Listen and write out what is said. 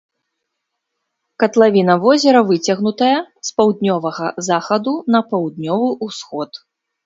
Катлавіна возера выцягнутая з паўднёвага захаду на паўднёвы ўсход.